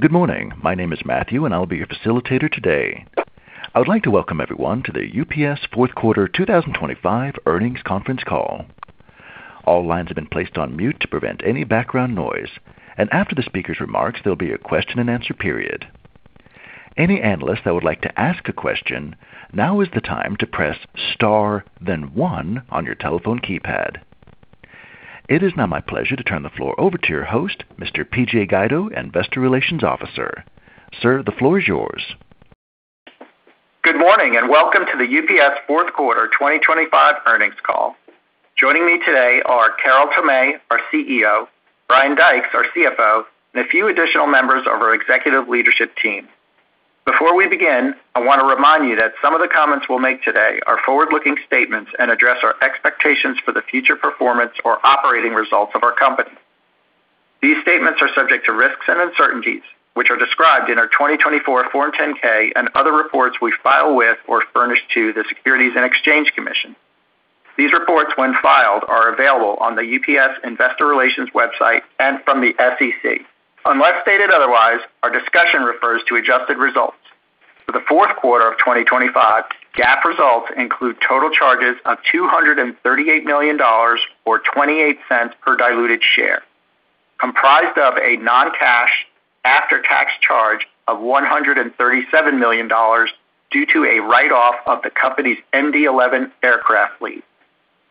Good morning. My name is Matthew, and I'll be your facilitator today. I would like to welcome everyone to the UPS Fourth Quarter 2025 Earnings Conference Call. All lines have been placed on mute to prevent any background noise, and after the speaker's remarks, there'll be a question-and-answer period. Any analyst that would like to ask a question, now is the time to press star, then one on your telephone keypad. It is now my pleasure to turn the floor over to your host, Mr. P.J. Guido, Investor Relations Officer. Sir, the floor is yours. Good morning, and welcome to the UPS Fourth Quarter 2025 Earnings Call. Joining me today are Carol Tomé, our CEO, Brian Dykes, our CFO, and a few additional members of our executive leadership team. Before we begin, I want to remind you that some of the comments we'll make today are forward-looking statements and address our expectations for the future performance or operating results of our company. These statements are subject to risks and uncertainties, which are described in our 2024 Form 10-K and other reports we file with or furnish to the Securities and Exchange Commission. These reports, when filed, are available on the UPS Investor Relations website and from the SEC. Unless stated otherwise, our discussion refers to adjusted results. For the fourth quarter of 2025, GAAP results include total charges of $238 million or $0.28 per diluted share, comprised of a non-cash after-tax charge of $137 million due to a write-off of the company's MD-11 aircraft fleet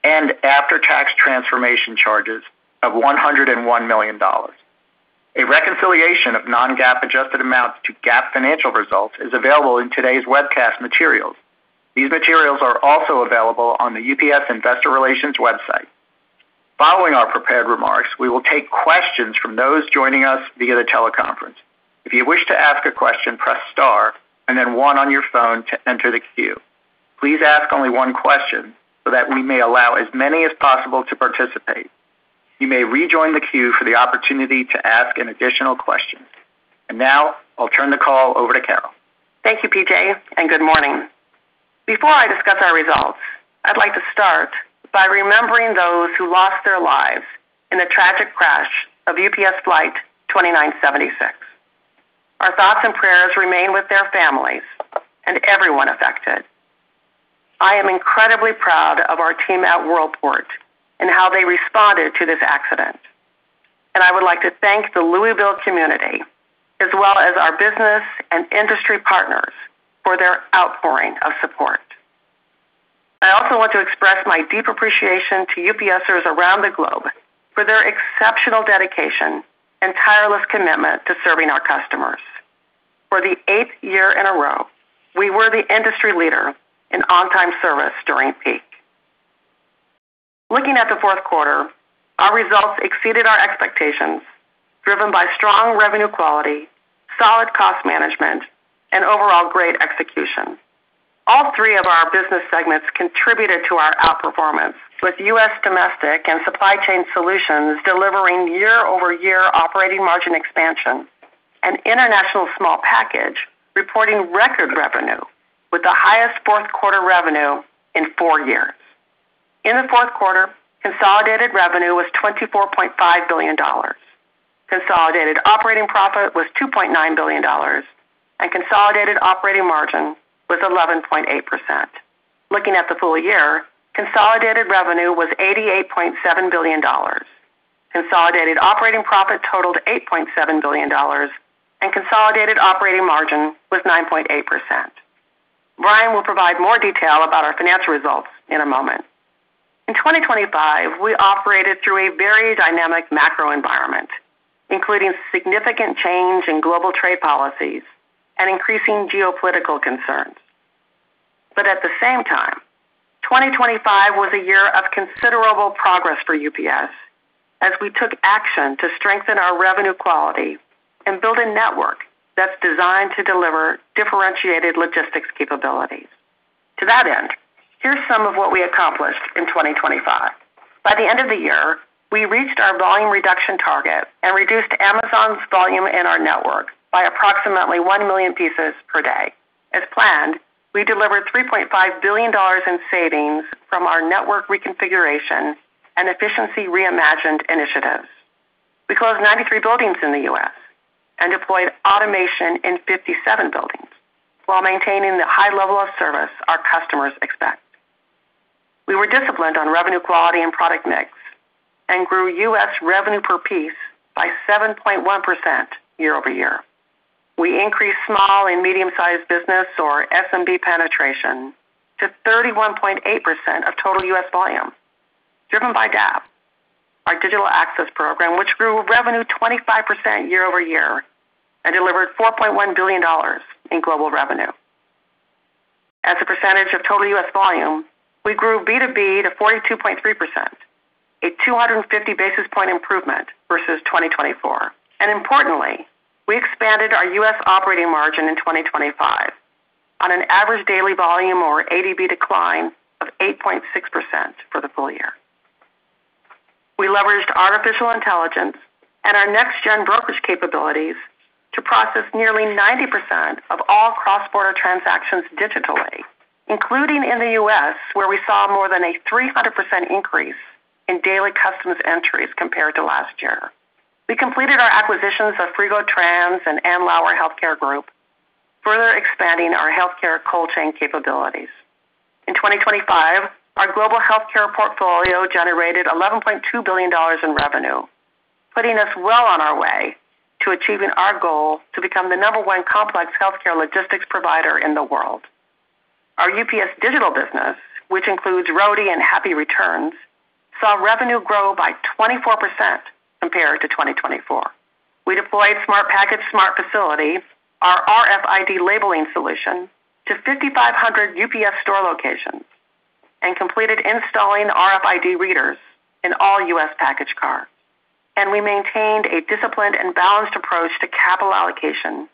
and after-tax transformation charges of $101 million. A reconciliation of non-GAAP adjusted amounts to GAAP financial results is available in today's webcast materials. These materials are also available on the UPS Investor Relations website. Following our prepared remarks, we will take questions from those joining us via the teleconference. If you wish to ask a question, press star and then one on your phone to enter the queue. Please ask only one question so that we may allow as many as possible to participate. You may rejoin the queue for the opportunity to ask an additional question. Now I'll turn the call over to Carol. Thank you, P.J., and good morning. Before I discuss our results, I'd like to start by remembering those who lost their lives in the tragic crash of UPS Flight 2976. Our thoughts and prayers remain with their families and everyone affected. I am incredibly proud of our team at Worldport and how they responded to this accident, and I would like to thank the Louisville community, as well as our business and industry partners for their outpouring of support. I also want to express my deep appreciation to UPSers around the globe for their exceptional dedication and tireless commitment to serving our customers. For the eighth year in a row, we were the industry leader in on-time service during peak. Looking at the fourth quarter, our results exceeded our expectations, driven by strong revenue quality, solid cost management, and overall great execution. All three of our business segments contributed to our outperformance, with U.S. Domestic and Supply Chain Solutions delivering year-over-year operating margin expansion and International Small Package reporting record revenue with the highest fourth quarter revenue in four years. In the fourth quarter, consolidated revenue was $24.5 billion. Consolidated operating profit was $2.9 billion, and consolidated operating margin was 11.8%. Looking at the full year, consolidated revenue was $88.7 billion. Consolidated operating profit totaled $8.7 billion, and consolidated operating margin was 9.8%. Brian will provide more detail about our financial results in a moment. In 2025, we operated through a very dynamic macro environment, including significant change in global trade policies and increasing geopolitical concerns. But at the same time, 2025 was a year of considerable progress for UPS as we took action to strengthen our revenue quality and build a network that's designed to deliver differentiated logistics capabilities. To that end, here's some of what we accomplished in 2025. By the end of the year, we reached our volume reduction target and reduced Amazon's volume in our network by approximately 1 million pieces per day. As planned, we delivered $3.5 billion in savings from our network reconfiguration and Efficiency Reimagined initiatives. We closed 93 buildings in the U.S. and deployed automation in 57 buildings while maintaining the high level of service our customers expect. We were disciplined on revenue quality and product mix and grew U.S. revenue per piece by 7.1% year-over-year. We increased small and medium-sized business or SMB penetration to 31.8% of total U.S. volume, driven by DAP, our Digital Access Program, which grew revenue 25% year-over-year and delivered $4.1 billion in global revenue. As a percentage of total U.S. volume, we grew B2B to 42.3%, a 250 basis point improvement versus 2024. Importantly, we expanded our U.S. operating margin in 2025 on an average daily volume or ADV decline of 8.6% for the full year. We leveraged artificial intelligence and our next-gen brokerage capabilities to process nearly 90% of all cross-border transactions digitally, including in the U.S., where we saw more than a 300% increase in daily customs entries compared to last year. We completed our acquisitions of Frigo-Trans and Andlauer Healthcare Group, further expanding our healthcare cold chain capabilities. In 2025, our global healthcare portfolio generated $11.2 billion in revenue, putting us well on our way to achieving our goal to become the number one complex healthcare logistics provider in the world. Our UPS digital business, which includes Roadie and Happy Returns, saw revenue grow by 24% compared to 2024. We deployed Smart Package Smart Facility, our RFID labeling solution, to 5,500 UPS Store locations and completed installing RFID readers in all U.S. package cars. We maintained a disciplined and balanced approach to capital allocation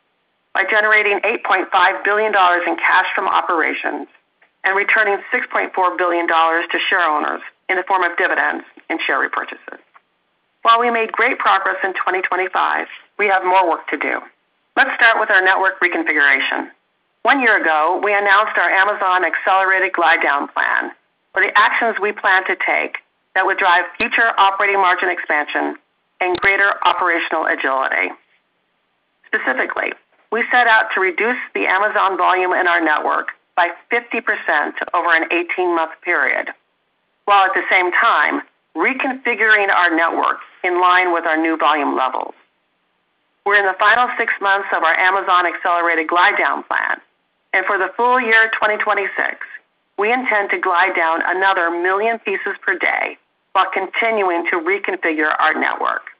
by generating $8.5 billion in cash from operations and returning $6.4 billion to shareowners in the form of dividends and share repurchases. While we made great progress in 2025, we have more work to do. Let's start with our network reconfiguration. One year ago, we announced our Amazon Accelerated Glide Down plan for the actions we plan to take that would drive future operating margin expansion and greater operational agility. Specifically, we set out to reduce the Amazon volume in our network by 50% over an 18-month period, while at the same time reconfiguring our network in line with our new volume levels. We're in the final six months of our Amazon Accelerated Glide Down plan, and for the full-year 2026, we intend to glide down another million pieces per day while continuing to reconfigure our network.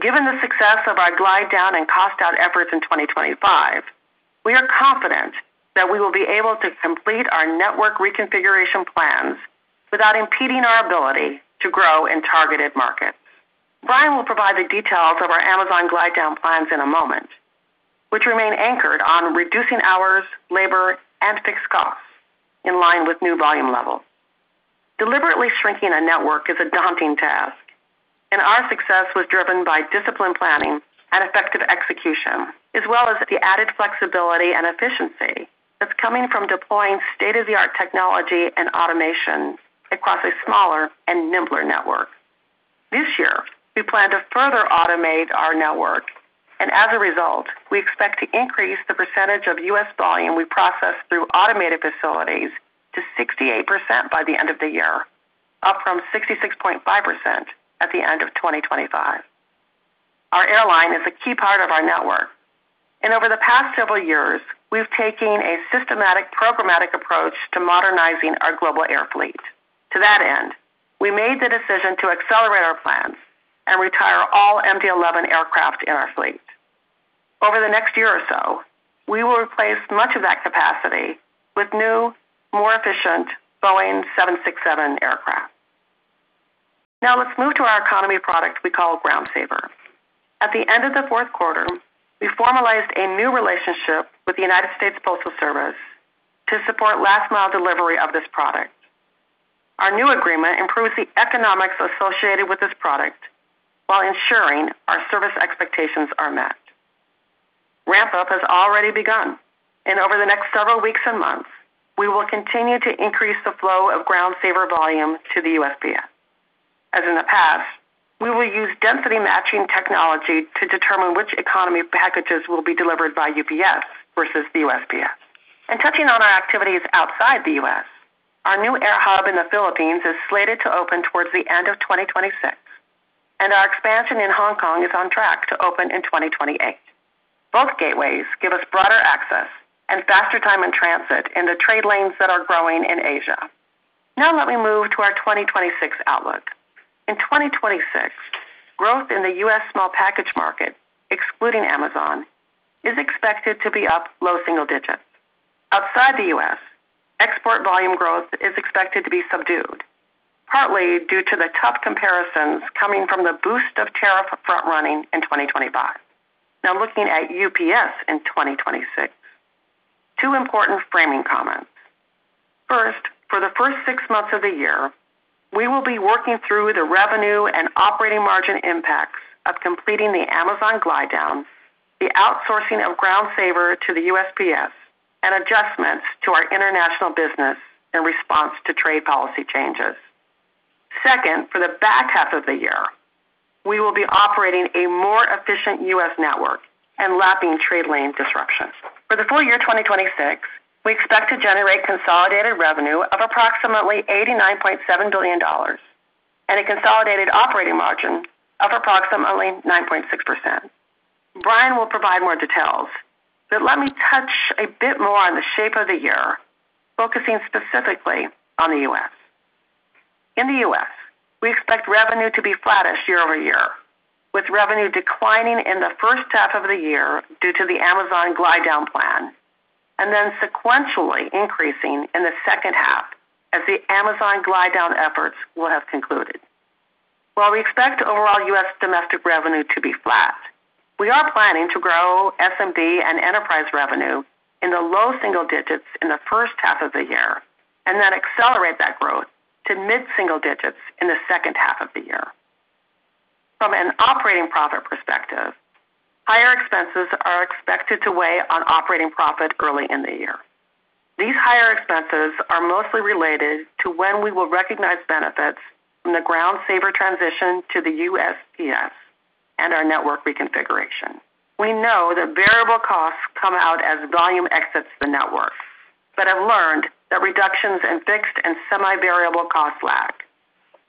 Given the success of our glide down and cost out efforts in 2025, we are confident that we will be able to complete our network reconfiguration plans without impeding our ability to grow in targeted markets. Brian will provide the details of our Amazon glide-down plans in a moment, which remain anchored on reducing hours, labor, and fixed costs in line with new volume levels. Deliberately shrinking a network is a daunting task, and our success was driven by disciplined planning and effective execution, as well as the added flexibility and efficiency that's coming from deploying state-of-the-art technology and automation across a smaller and nimbler network. This year, we plan to further automate our network, and as a result, we expect to increase the percentage of U.S. volume we process through automated facilities to 68% by the end of the year, up from 66.5% at the end of 2025. Our airline is a key part of our network, and over the past several years, we've taken a systematic, programmatic approach to modernizing our global air fleet. To that end, we made the decision to accelerate our plans and retire all MD-11 aircraft in our fleet. Over the next year or so, we will replace much of that capacity with new, more efficient Boeing 767 aircraft. Now let's move to our economy product we call Ground Saver. At the end of the fourth quarter, we formalized a new relationship with the United States Postal Service to support last-mile delivery of this product. Our new agreement improves the economics associated with this product while ensuring our service expectations are met. Ramp-up has already begun, and over the next several weeks and months, we will continue to increase the flow of Ground Saver volume to the USPS. As in the past, we will use density matching technology to determine which economy packages will be delivered by UPS versus the USPS. And touching on our activities outside the U.S., our new air hub in the Philippines is slated to open towards the end of 2026, and our expansion in Hong Kong is on track to open in 2028. Both gateways give us broader access and faster time in transit in the trade lanes that are growing in Asia. Now let me move to our 2026 outlook. In 2026, growth in the U.S. small package market, excluding Amazon, is expected to be up low-single digits. Outside the U.S., export volume growth is expected to be subdued, partly due to the tough comparisons coming from the boost of tariff front-running in 2025. Now, looking at UPS in 2026, two important framing comments. First, for the first six months of the year, we will be working through the revenue and operating margin impacts of completing the Amazon glide-down, the outsourcing of Ground Saver to the USPS, and adjustments to our international business in response to trade policy changes. Second, for the back half of the year, we will be operating a more efficient U.S. network and lapping trade lane disruptions. For the full year 2026, we expect to generate consolidated revenue of approximately $89.7 billion and a consolidated operating margin of approximately 9.6%. Brian will provide more details, but let me touch a bit more on the shape of the year, focusing specifically on the U.S. In the U.S., we expect revenue to be flattish year-over-year, with revenue declining in the first half of the year due to the Amazon glide-down plan, and then sequentially increasing in the second half as the Amazon glide-down efforts will have concluded. While we expect overall U.S. domestic revenue to be flat, we are planning to grow SMB and enterprise revenue in the low-single digits in the first half of the year and then accelerate that growth to mid-single digits in the second half of the year. From an operating profit perspective, higher expenses are expected to weigh on operating profit early in the year. These higher expenses are mostly related to when we will recognize benefits from the Ground Saver transition to the USPS and our network reconfiguration. We know that variable costs come out as volume exits the network, but have learned that reductions in fixed and semi-variable costs lag.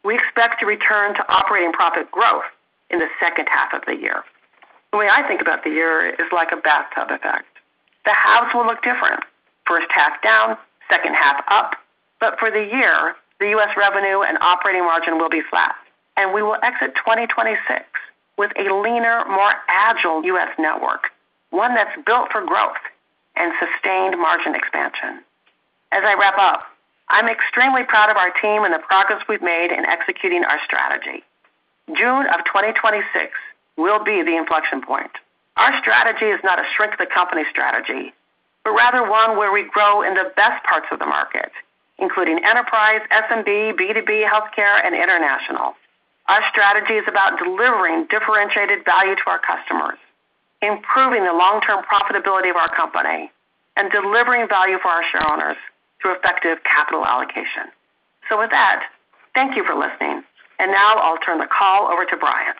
We expect to return to operating profit growth in the second half of the year. The way I think about the year is like a bathtub effect. The halves will look different. First half down, second half up, but for the year, the U.S. revenue and operating margin will be flat, and we will exit 2026 with a leaner, more agile U.S. network, one that's built for growth and sustained margin expansion. As I wrap up, I'm extremely proud of our team and the progress we've made in executing our strategy. June of 2026 will be the inflection point. Our strategy is not a shrink the company strategy, but rather one where we grow in the best parts of the market, including enterprise, SMB, B2B, healthcare, and international. Our strategy is about delivering differentiated value to our customers, improving the long-term profitability of our company, and delivering value for our shareholders through effective capital allocation. So with that, thank you for listening. And now I'll turn the call over to Brian.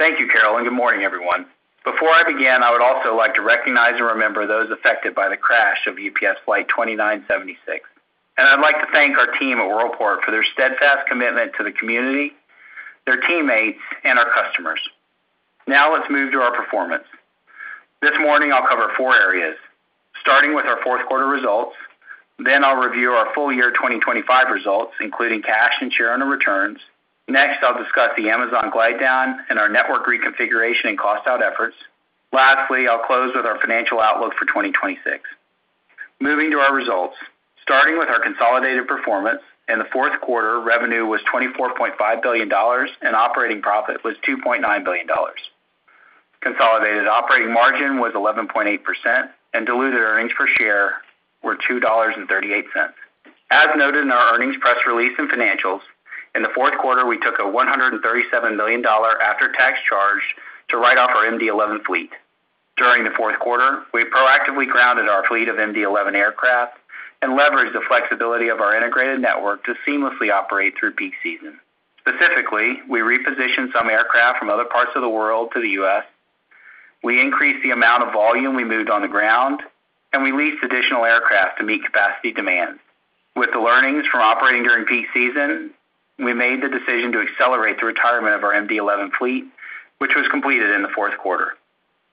Thank you, Carol, and good morning, everyone. Before I begin, I would also like to recognize and remember those affected by the crash of UPS Flight 2976. I'd like to thank our team at Worldport for their steadfast commitment to the community, their teammates, and our customers. Now let's move to our performance. This morning, I'll cover four areas, starting with our fourth quarter results. Then I'll review our full-year 2025 results, including cash and shareowner returns. Next, I'll discuss the Amazon glide-down and our network reconfiguration and cost out efforts. Lastly, I'll close with our financial outlook for 2026. Moving to our results, starting with our consolidated performance, in the fourth quarter, revenue was $24.5 billion and operating profit was $2.9 billion. Consolidated operating margin was 11.8% and diluted earnings per share were $2.38. As noted in our earnings press release and financials, in the fourth quarter, we took a $137 million after-tax charge to write off our MD-11 fleet. During the fourth quarter, we proactively grounded our fleet of MD-11 aircraft and leveraged the flexibility of our integrated network to seamlessly operate through peak season. Specifically, we repositioned some aircraft from other parts of the world to the U.S. We increased the amount of volume we moved on the ground, and we leased additional aircraft to meet capacity demands. With the learnings from operating during peak season, we made the decision to accelerate the retirement of our MD-11 fleet, which was completed in the fourth quarter.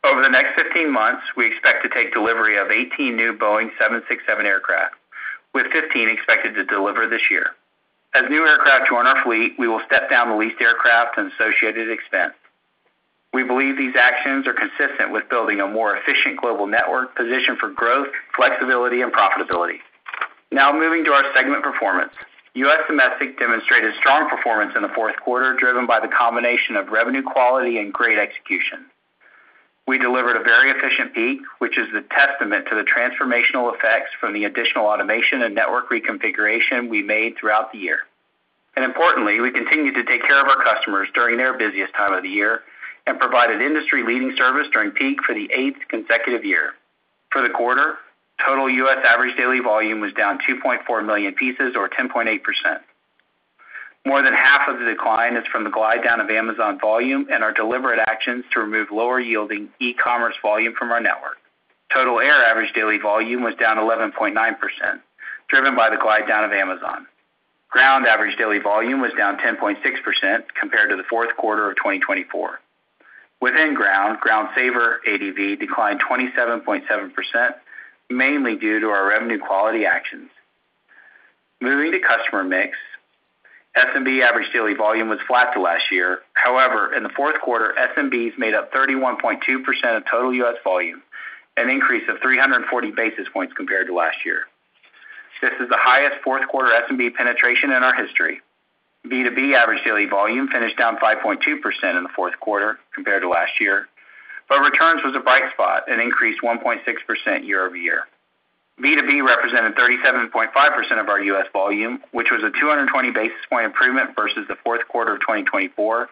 Over the next 15 months, we expect to take delivery of 18 new Boeing 767 aircraft, with 15 expected to deliver this year. As new aircraft join our fleet, we will step down the leased aircraft and associated expense. We believe these actions are consistent with building a more efficient global network positioned for growth, flexibility, and profitability. Now moving to our segment performance. U.S. domestic demonstrated strong performance in the fourth quarter, driven by the combination of revenue quality and great execution. We delivered a very efficient peak, which is a testament to the transformational effects from the additional automation and network reconfiguration we made throughout the year. Importantly, we continued to take care of our customers during their busiest time of the year and provided industry-leading service during peak for the eighth consecutive year. For the quarter, total U.S. average daily volume was down 2.4 million pieces, or 10.8%. More than half of the decline is from the glide down of Amazon volume and our deliberate actions to remove lower-yielding e-commerce volume from our network. Total air average daily volume was down 11.9%, driven by the glide down of Amazon. Ground average daily volume was down 10.6% compared to the fourth quarter of 2024. Within ground, Ground Saver ADV declined 27.7%, mainly due to our revenue quality actions. Moving to customer mix, SMB average daily volume was flat to last year. However, in the fourth quarter, SMBs made up 31.2% of total U.S. volume, an increase of 340 basis points compared to last year. This is the highest fourth quarter SMB penetration in our history. B2B average daily volume finished down 5.2% in the fourth quarter compared to last year, but returns was a bright spot and increased 1.6% year-over-year. B2B represented 37.5% of our U.S. volume, which was a 220 basis point improvement versus the fourth quarter of 2024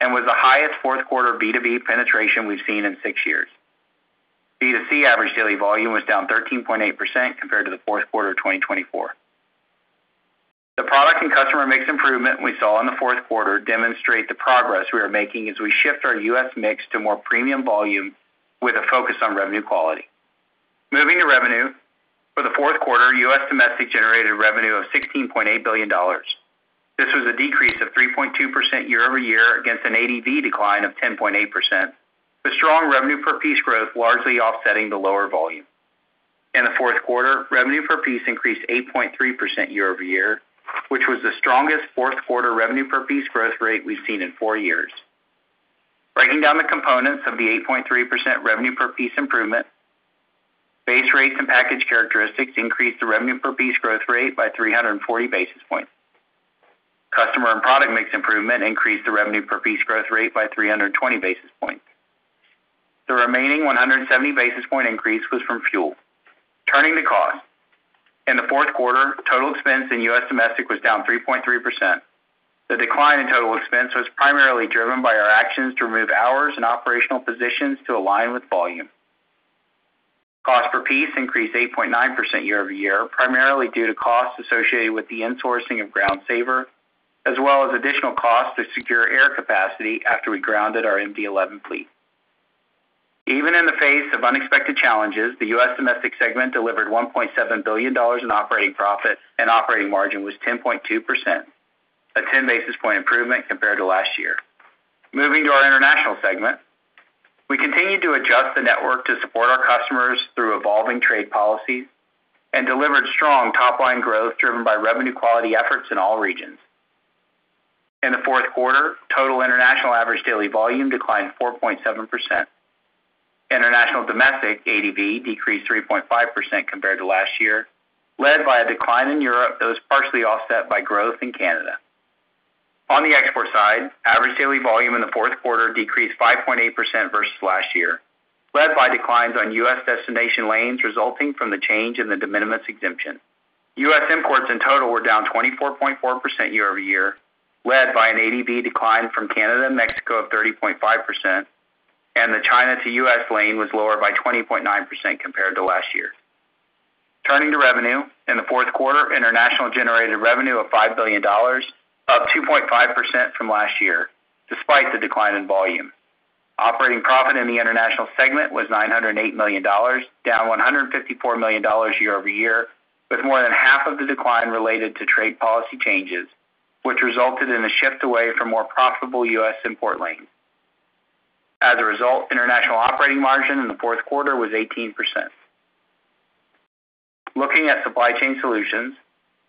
and was the highest fourth quarter B2B penetration we've seen in six years. B2C average daily volume was down 13.8% compared to the fourth quarter of 2024. The product and customer mix improvement we saw in the fourth quarter demonstrate the progress we are making as we shift our U.S. mix to more premium volume with a focus on revenue quality. Moving to revenue. For the fourth quarter, U.S. domestic generated revenue of $16.8 billion. This was a decrease of 3.2% year-over-year against an ADV decline of 10.8%. The strong revenue per piece growth largely offsetting the lower volume. In the fourth quarter, revenue per piece increased 8.3% year-over-year, which was the strongest fourth quarter revenue per piece growth rate we've seen in four years. Breaking down the components of the 8.3% revenue per piece improvement, base rates and package characteristics increased the revenue per piece growth rate by 340 basis points. Customer and product mix improvement increased the revenue per piece growth rate by 320 basis points. The remaining 170 basis point increase was from fuel. Turning to cost. In the fourth quarter, total expense in U.S. domestic was down 3.3%. The decline in total expense was primarily driven by our actions to remove hours and operational positions to align with volume. Cost per piece increased 8.9% year-over-year, primarily due to costs associated with the insourcing of Ground Saver, as well as additional costs to secure air capacity after we grounded our MD-11 fleet. Even in the face of unexpected challenges, the U.S. domestic segment delivered $1.7 billion in operating profit, and operating margin was 10.2%, a 10 basis point improvement compared to last year. Moving to our international segment, we continued to adjust the network to support our customers through evolving trade policies and delivered strong top-line growth, driven by revenue quality efforts in all regions. In the fourth quarter, total international average daily volume declined 4.7%. International domestic ADV decreased 3.5% compared to last year, led by a decline in Europe that was partially offset by growth in Canada. On the export side, average daily volume in the fourth quarter decreased 5.8% versus last year, led by declines on U.S. destination lanes resulting from the change in the de minimis exemption. U.S. imports in total were down 24.4% year-over-year, led by an ADV decline from Canada and Mexico of 30.5%, and the China to U.S. lane was lower by 20.9% compared to last year. Turning to revenue, in the fourth quarter, international generated revenue of $5 billion, up 2.5% from last year, despite the decline in volume. Operating profit in the International segment was $908 million, down $154 million year-over-year, with more than half of the decline related to trade policy changes, which resulted in a shift away from more profitable U.S. import lanes. As a result, International operating margin in the fourth quarter was 18%. Looking at Supply Chain Solutions,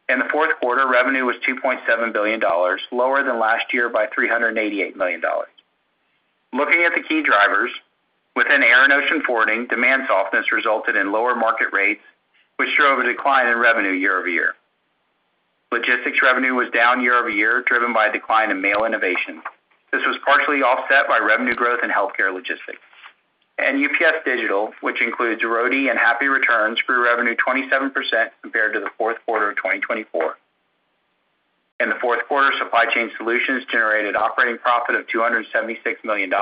in the fourth quarter, revenue was $2.7 billion, lower than last year by $388 million. Looking at the key drivers, within air and ocean forwarding, demand softness resulted in lower market rates, which drove a decline in revenue year-over-year. Logistics revenue was down year-over-year, driven by a decline in Mail Innovations. This was partially offset by revenue growth in healthcare logistics. UPS Digital, which includes Roadie and Happy Returns, grew revenue 27% compared to the fourth quarter of 2024. In the fourth quarter, supply chain solutions generated operating profit of $276 million.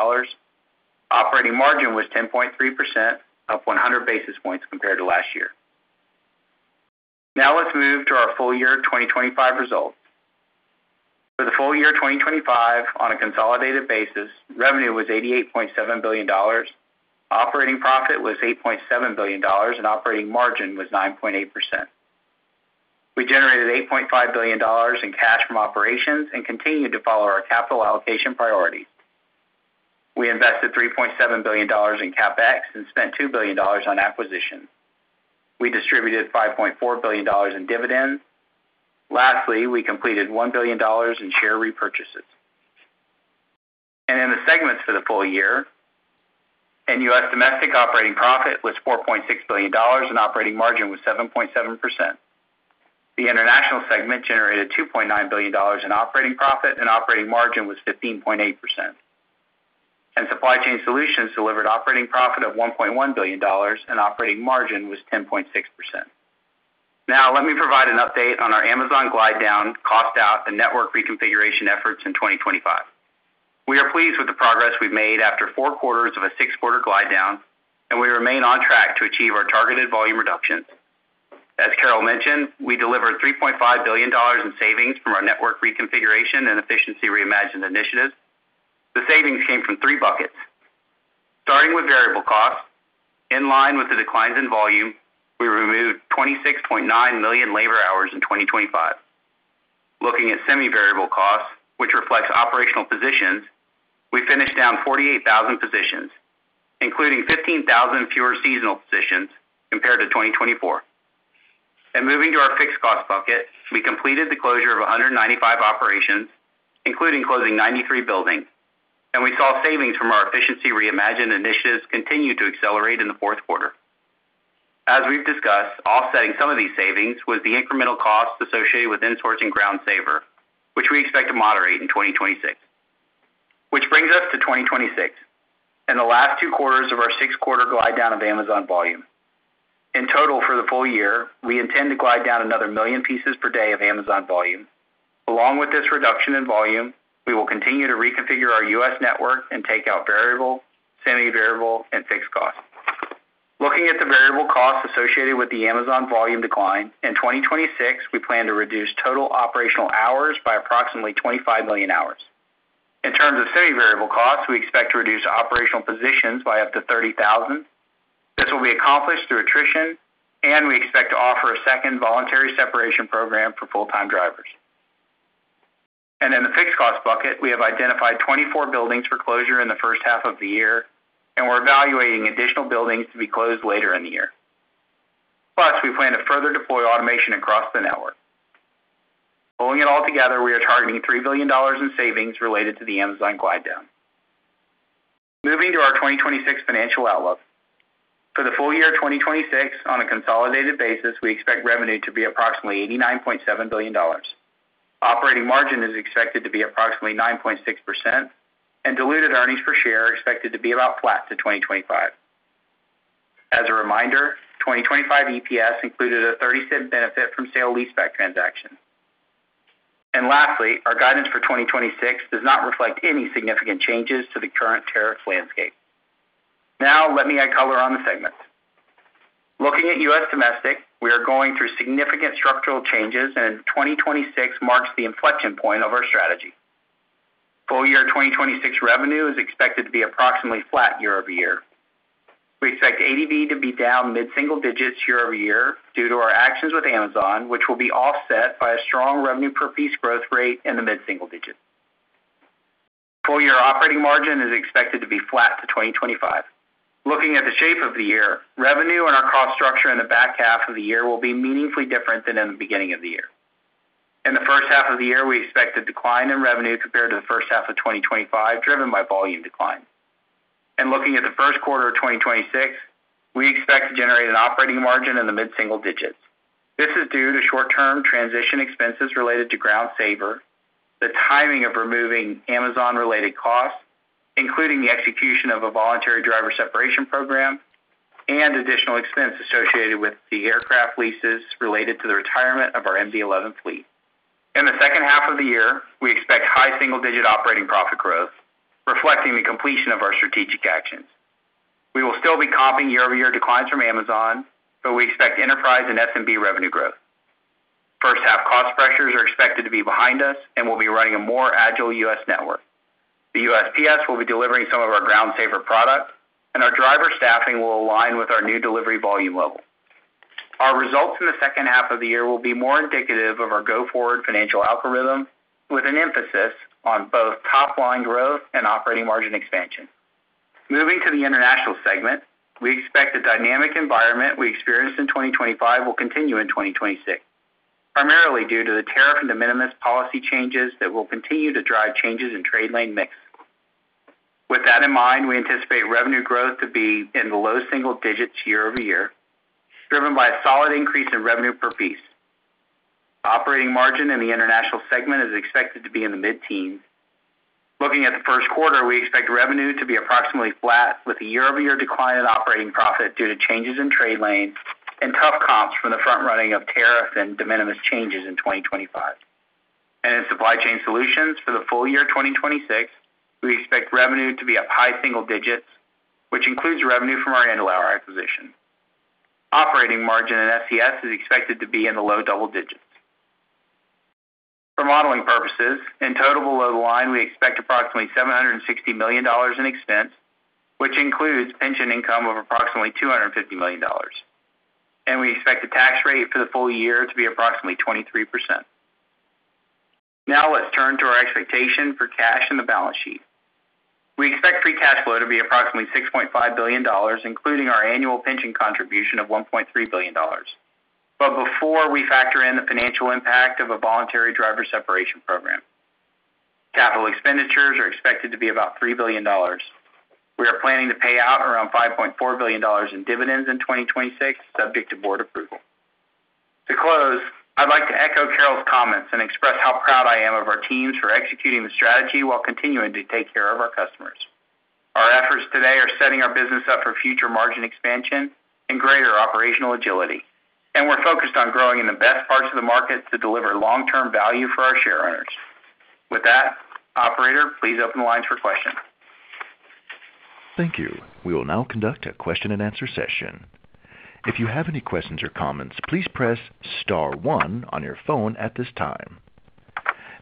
Operating margin was 10.3%, up 100 basis points compared to last year. Now let's move to our full-year 2025 results. For the full year 2025, on a consolidated basis, revenue was $88.7 billion, operating profit was $8.7 billion, and operating margin was 9.8%. We generated $8.5 billion in cash from operations and continued to follow our capital allocation priorities. We invested $3.7 billion in CapEx and spent $2 billion on acquisition. We distributed $5.4 billion in dividends. Lastly, we completed $1 billion in share repurchases. In the segments for the full year, in U.S. domestic, operating profit was $4.6 billion and operating margin was 7.7%. The international segment generated $2.9 billion in operating profit, and operating margin was 15.8%. Supply Chain Solutions delivered operating profit of $1.1 billion, and operating margin was 10.6%. Now, let me provide an update on our Amazon glide-down, cost out, and network reconfiguration efforts in 2025. We are pleased with the progress we've made after four quarters of a six-quarter glide down, and we remain on track to achieve our targeted volume reductions. As Carol mentioned, we delivered $3.5 billion in savings from our network reconfiguration and Efficiency Reimagined initiatives. The savings came from three buckets. Starting with variable costs, in line with the declines in volume, we removed 26.9 million labor hours in 2025. Looking at semi-variable costs, which reflects operational positions, we finished down 48,000 positions, including 15,000 fewer seasonal positions compared to 2024. Moving to our fixed cost bucket, we completed the closure of 195 operations, including closing 93 buildings, and we saw savings from our Efficiency Reimagined initiatives continue to accelerate in the fourth quarter. As we've discussed, offsetting some of these savings was the incremental costs associated with insourcing Ground Saver, which we expect to moderate in 2026. Which brings us to 2026 and the last two quarters of our six-quarter glide down of Amazon volume. In total, for the full year, we intend to glide down another million pieces per day of Amazon volume. Along with this reduction in volume, we will continue to reconfigure our U.S. network and take out variable, semi-variable, and fixed costs. Looking at the variable costs associated with the Amazon volume decline, in 2026, we plan to reduce total operational hours by approximately 25 million hours. In terms of semi-variable costs, we expect to reduce operational positions by up to 30,000. This will be accomplished through attrition, and we expect to offer a second voluntary separation program for full-time drivers. And in the fixed cost bucket, we have identified 24 buildings for closure in the first half of the year, and we're evaluating additional buildings to be closed later in the year. Plus, we plan to further deploy automation across the network. Pulling it all together, we are targeting $3 billion in savings related to the Amazon glide-down. Moving to our 2026 financial outlook. For the full year 2026, on a consolidated basis, we expect revenue to be approximately $89.7 billion. Operating margin is expected to be approximately 9.6%, and diluted earnings per share are expected to be about flat to 2025. As a reminder, 2025 EPS included a $0.30 benefit from sale-leaseback transaction. Lastly, our guidance for 2026 does not reflect any significant changes to the current tariff landscape. Now let me add color on the segments. Looking at U.S. domestic, we are going through significant structural changes, and in 2026 marks the inflection point of our strategy. Full-year 2026 revenue is expected to be approximately flat year-over-year. We expect ADV to be down mid-single digits year-over-year due to our actions with Amazon, which will be offset by a strong revenue per piece growth rate in the mid-single digits. Full-year operating margin is expected to be flat to 2025. Looking at the shape of the year, revenue and our cost structure in the back half of the year will be meaningfully different than in the beginning of the year. In the first half of the year, we expect a decline in revenue compared to the first half of 2025, driven by volume decline. Looking at the first quarter of 2026, we expect to generate an operating margin in the mid-single digits. This is due to short-term transition expenses related to Ground Saver, the timing of removing Amazon-related costs, including the execution of a voluntary driver separation program, and additional expense associated with the aircraft leases related to the retirement of our MD-11 fleet. In the second half of the year, we expect high single-digit operating profit growth, reflecting the completion of our strategic actions. We will still be comping year-over-year declines from Amazon, but we expect enterprise and SMB revenue growth. First half cost pressures are expected to be behind us, and we'll be running a more agile U.S. network. The USPS will be delivering some of our Ground Saver products, and our driver staffing will align with our new delivery volume level. Our results in the second half of the year will be more indicative of our go-forward financial algorithm, with an emphasis on both top line growth and operating margin expansion. Moving to the international segment, we expect the dynamic environment we experienced in 2025 will continue in 2026, primarily due to the tariff and de minimis policy changes that will continue to drive changes in trade lane mix. With that in mind, we anticipate revenue growth to be in the low-single digits year-over-year, driven by a solid increase in revenue per piece. Operating margin in the international segment is expected to be in the mid-teens. Looking at the first quarter, we expect revenue to be approximately flat, with a year-over-year decline in operating profit due to changes in trade lanes and tough comps from the front running of tariff and de minimis changes in 2025. In Supply Chain Solutions for the full year 2026, we expect revenue to be up high-single digits, which includes revenue from our Andlauer acquisition. Operating margin in SCS is expected to be in the low-double digits. For modeling purposes, in total below the line, we expect approximately $760 million in expense, which includes pension income of approximately $250 million, and we expect the tax rate for the full year to be approximately 23%. Now let's turn to our expectation for cash and the balance sheet. We expect free cash flow to be approximately $6.5 billion, including our annual pension contribution of $1.3 billion. But before we factor in the financial impact of a voluntary driver separation program, capital expenditures are expected to be about $3 billion. We are planning to pay out around $5.4 billion in dividends in 2026, subject to board approval. To close, I'd like to echo Carol's comments and express how proud I am of our teams for executing the strategy while continuing to take care of our customers. Our efforts today are setting our business up for future margin expansion and greater operational agility, and we're focused on growing in the best parts of the market to deliver long-term value for our shareowners. With that, operator, please open the lines for questions. Thank you. We will now conduct a question-and-answer session. If you have any questions or comments, please press star one on your phone at this time.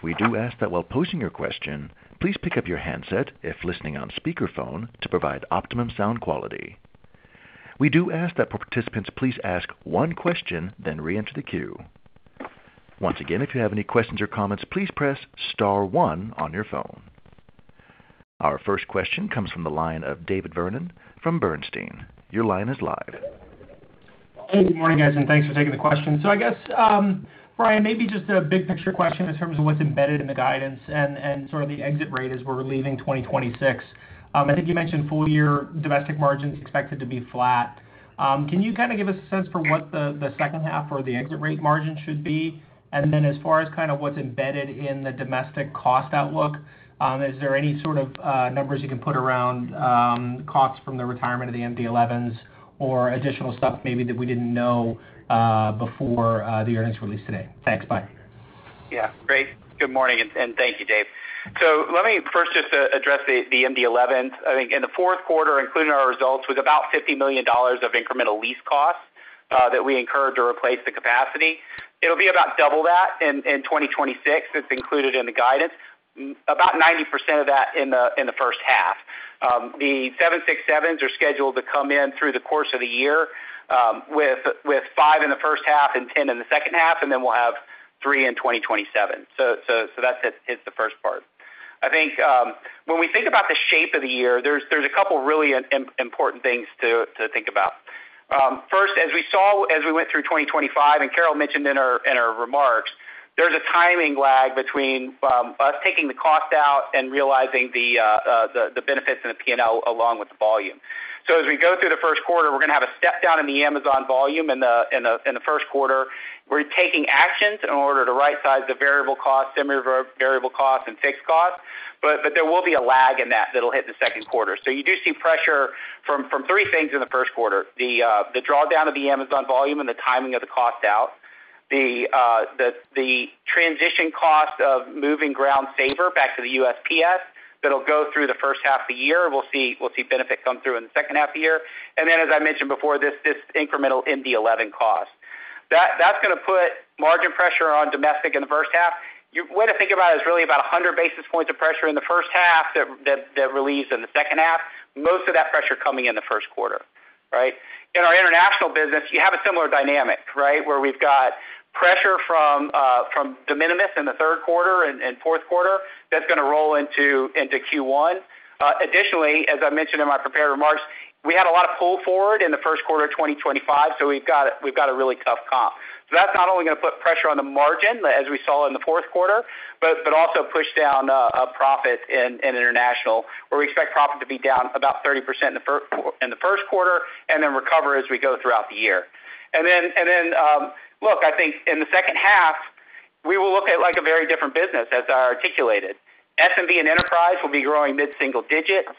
We do ask that while posing your question, please pick up your handset if listening on speakerphone to provide optimum sound quality. We do ask that participants please ask one question, then reenter the queue. Once again, if you have any questions or comments, please press star one on your phone. Our first question comes from the line of David Vernon from Bernstein. Your line is live. Hey, good morning, guys, and thanks for taking the question. So I guess, Brian, maybe just a big picture question in terms of what's embedded in the guidance and sort of the exit rate as we're leaving 2026. I think you mentioned full year domestic margins expected to be flat. Can you kind of give us a sense for what the second half or the exit rate margin should be? And then as far as kind of what's embedded in the domestic cost outlook, is there any sort of numbers you can put around costs from the retirement of the MD-11s or additional stuff maybe that we didn't know before the earnings release today? Thanks. Bye. Yeah. Great. Good morning, and thank you, Dave. So let me first just address the MD-11s. I think in the fourth quarter, including our results, with about $50 million of incremental lease costs that we incurred to replace the capacity, it'll be about double that in 2026. It's included in the guidance, about 90% of that in the first half. The 767s are scheduled to come in through the course of the year, with five in the first half and 10 in the second half, and then we'll have three in 2027. So that's it, it's the first part. I think when we think about the shape of the year, there's a couple really important things to think about. First, as we saw as we went through 2025, and Carol mentioned in her remarks, there's a timing lag between us taking the cost out and realizing the benefits in the P&L along with the volume. So as we go through the first quarter, we're going to have a step down in the Amazon volume in the first quarter. We're taking actions in order to rightsize the variable costs and fixed costs. But there will be a lag in that that'll hit the second quarter. So you do see pressure from three things in the first quarter: the drawdown of the Amazon volume and the timing of the cost out, the transition cost of moving Ground Saver back to the USPS that'll go through the first half of the year. We'll see benefits come through in the second half of the year. And then, as I mentioned before, this incremental MD-11 cost. That's going to put margin pressure on domestic in the first half. Way to think about it is really about 100 basis points of pressure in the first half that relieves in the second half. Most of that pressure coming in the first quarter, right? In our international business, you have a similar dynamic, right? Where we've got pressure from de minimis in the third quarter and fourth quarter, that's going to roll into Q1. Additionally, as I mentioned in my prepared remarks, we had a lot of pull forward in the first quarter of 2025, so we've got a really tough comp. So that's not only going to put pressure on the margin, as we saw in the fourth quarter, but also push down a profit in international, where we expect profit to be down about 30% in the first quarter and then recover as we go throughout the year. And then, look, I think in the second half, we will look at, like, a very different business as I articulated. SMB and enterprise will be growing mid-single digits.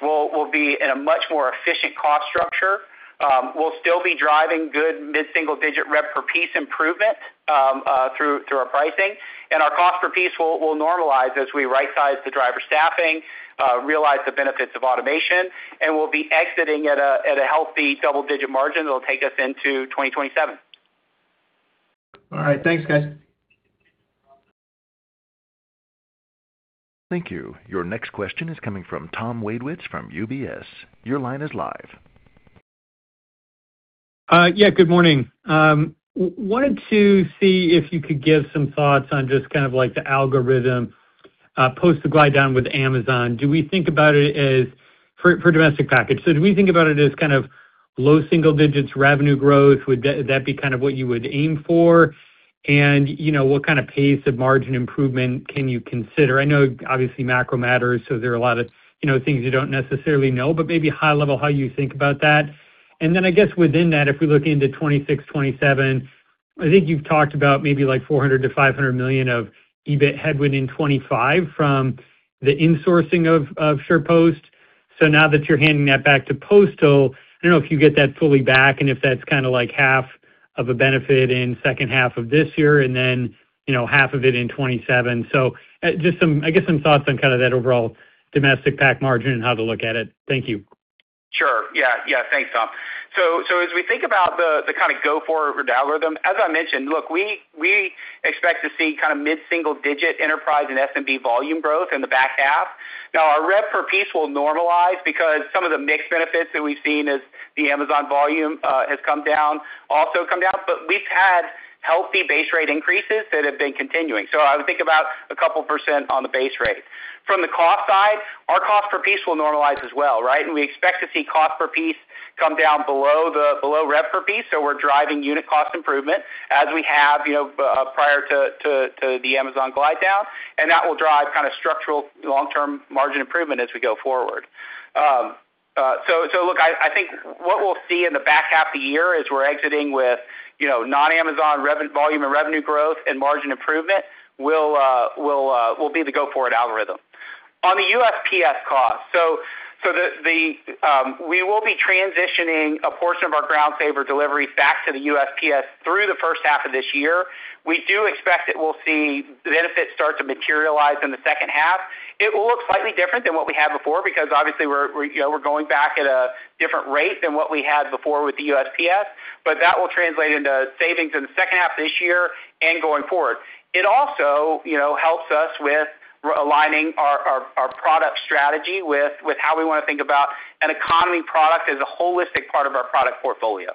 We'll, we'll be in a much more efficient cost structure. We'll still be driving good mid-single-digit rev per piece improvement, through, through our pricing. And our cost per piece will, will normalize as we rightsize the driver staffing, realize the benefits of automation, and we'll be exiting at a, at a healthy double-digit margin that will take us into 2027. All right. Thanks, guys. Thank you. Your next question is coming from Tom Wadewitz from UBS. Your line is live. Yeah, good morning. Wanted to see if you could give some thoughts on just kind of like the algorithm post the glide-down with Amazon. Do we think about it as for domestic package. So do we think about it as kind of low-single digits revenue growth? Would that, that be kind of what you would aim for? And, you know, what kind of pace of margin improvement can you consider? I know obviously macro matters, so there are a lot of, you know, things you don't necessarily know, but maybe high level, how you think about that. And then I guess within that, if we look into 2026, 2027, I think you've talked about maybe like $400 million-$500 million of EBIT headwind in 2025 from the insourcing of SurePost. So now that you're handing that back to postal, I don't know if you get that fully back and if that's kind of like half of a benefit in second half of this year and then, you know, half of it in 2027. So, just some, I guess, some thoughts on kind of that overall domestic package margin and how to look at it. Thank you. Sure. Yeah, yeah. Thanks, Tom. So as we think about the kind of go forward algorithm, as I mentioned, look, we expect to see kind of mid-single digit enterprise and SMB volume growth in the back half. Now, our rev per piece will normalize because some of the mixed benefits that we've seen as the Amazon volume has come down, also come down, but we've had healthy base rate increases that have been continuing. So I would think about a couple percent on the base rate. From the cost side, our cost per piece will normalize as well, right? And we expect to see cost per piece come down below rev per piece. So we're driving unit cost improvement as we have, you know, prior to the Amazon glide-down, and that will drive kind of structural long-term margin improvement as we go forward. So look, I think what we'll see in the back half of the year is we're exiting with, you know, non-Amazon volume and revenue growth and margin improvement will be the go forward algorithm. On the USPS cost, we will be transitioning a portion of our Ground Saver delivery back to the USPS through the first half of this year. We do expect that we'll see the benefits start to materialize in the second half. It will look slightly different than what we had before, because obviously, we're, you know, going back at a different rate than what we had before with the USPS, but that will translate into savings in the second half of this year and going forward. It also, you know, helps us with aligning our product strategy with how we want to think about an economy product as a holistic part of our product portfolio.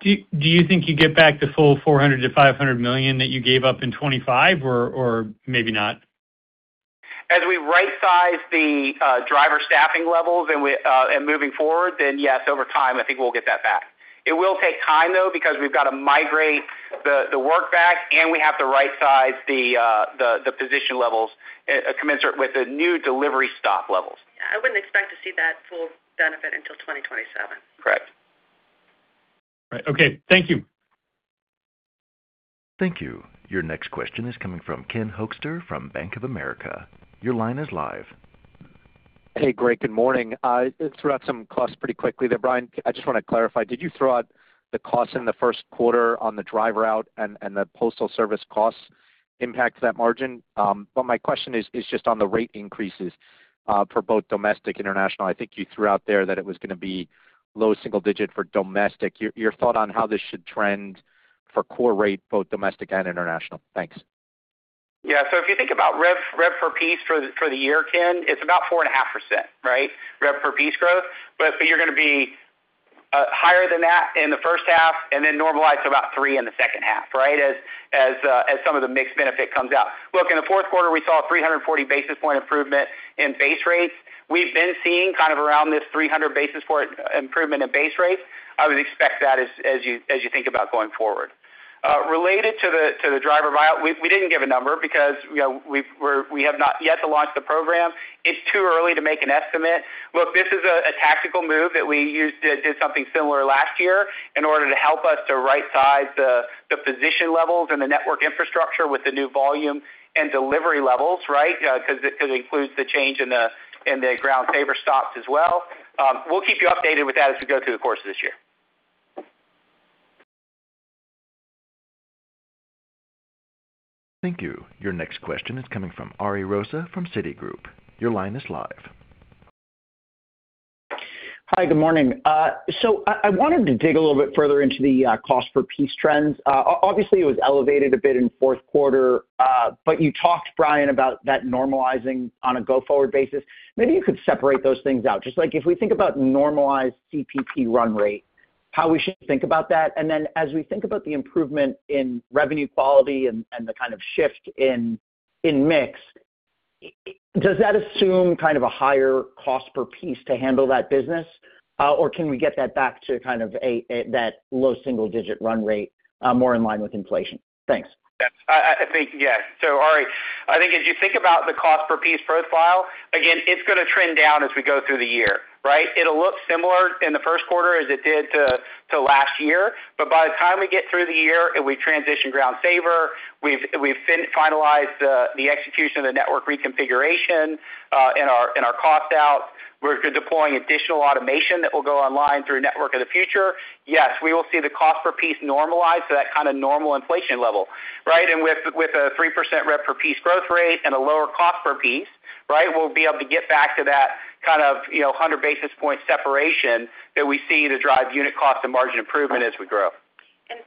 Do you think you get back the full $400 million-$500 million that you gave up in 2025, or maybe not? As we rightsize the driver staffing levels and moving forward, then yes, over time, I think we'll get that back. It will take time, though, because we've got to migrate the work back, and we have to rightsize the position levels commensurate with the new delivery stop levels. I wouldn't expect to see that full benefit until 2027. Correct. Right. Okay, thank you. Thank you. Your next question is coming from Ken Hoexter from Bank of America. Your line is live. Hey, great. Good morning. You threw out some costs pretty quickly there, Brian. I just want to clarify, did you throw out the costs in the first quarter on the driver out and the postal service costs impact that margin? But my question is just on the rate increases for both domestic, international. I think you threw out there that it was going to be low single digit for domestic. Your thought on how this should trend for core rate, both domestic and international? Thanks. Yeah, so if you think about rev, rev per piece for the, for the year, Ken, it's about 4.5%, right? Rev per piece growth. But you're going to be higher than that in the first half and then normalize to about 3% in the second half, right? As some of the mixed benefit comes out. Look, in the fourth quarter, we saw a 340 basis point improvement in base rates. We've been seeing kind of around this 300 basis point improvement in base rates. I would expect that as you think about going forward. Related to the driver buy-out, we didn't give a number because, you know, we've-- we're, we have not yet to launch the program. It's too early to make an estimate. Look, this is a tactical move that we used to did something similar last year in order to help us to rightsize the position levels and the network infrastructure with the new volume and delivery levels, right? 'Cause it includes the change in the Ground Saver stops as well. We'll keep you updated with that as we go through the course of this year. Thank you. Your next question is coming from Ari Rosa from Citigroup. Your line is live. Hi, good morning. So I wanted to dig a little bit further into the cost per piece trends. Obviously, it was elevated a bit in fourth quarter, but you talked, Brian, about that normalizing on a go-forward basis. Maybe you could separate those things out. Just like if we think about normalized CPP run rate, how we should think about that, and then as we think about the improvement in revenue quality and the kind of shift in mix, does that assume kind of a higher cost per piece to handle that business? Or can we get that back to kind of a that low single digit run rate, more in line with inflation? Thanks. Yes, I think, yeah. So Ari, I think as you think about the cost per piece profile, again, it's gonna trend down as we go through the year, right? It'll look similar in the first quarter as it did to last year, but by the time we get through the year, and we transition Ground Saver, we've finalized the execution of the network reconfiguration, and our cost out. We're deploying additional automation that will go online through Network of the Future. Yes, we will see the cost per piece normalized to that kind of normal inflation level, right? With a 3% revenue per piece growth rate and a lower cost per piece, right, we'll be able to get back to that kind of, you know, 100 basis point separation that we see to drive unit cost and margin improvement as we grow.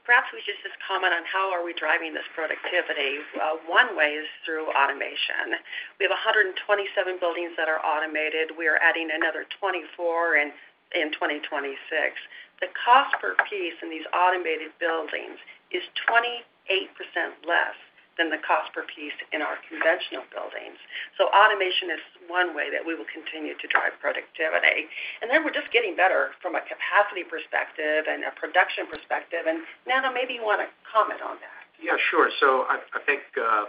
Perhaps we just comment on how are we driving this productivity. One way is through automation. We have 127 buildings that are automated. We are adding another 24 in 2026. The cost per piece in these automated buildings is 28% less than the cost per piece in our conventional buildings. So automation is one way that we will continue to drive productivity. Then we're just getting better from a capacity perspective and a production perspective. Nando, maybe you wanna comment on that. Yeah, sure. So I, I think,